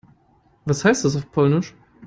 Was heißt das auf Polnisch?